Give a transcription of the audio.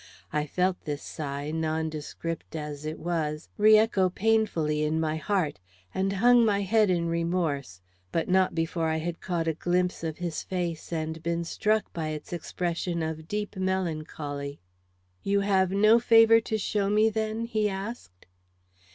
I felt this sigh, nondescript as it was, re echo painfully in my heart, and hung my head in remorse; but not before I had caught a glimpse of his face, and been struck by its expression of deep melancholy. "You have no favor to show me, then?" he asked.